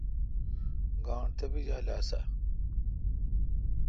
گانٹھ تپیجال آسہ۔؟